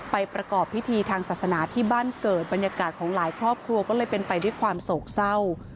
ประกอบพิธีทางศาสนาที่บ้านเกิดบรรยากาศของหลายครอบครัวก็เลยเป็นไปด้วยความโศกเศร้า